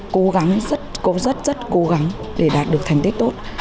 cố gắng rất rất cố gắng để đạt được thành tích tốt